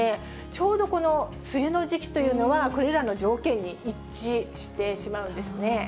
ちょうどこの梅雨の時期というのは、これらの条件に一致してしまうんですね。